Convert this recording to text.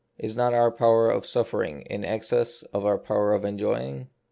Is not our power of suffering in excess of our power of enjoying